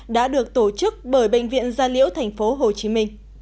đã được tổ chức bởi bệnh viện gia liễu tp hcm